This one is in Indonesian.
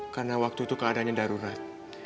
karena waktu itu keadaannya darurat